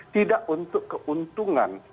tidak untuk keuntungan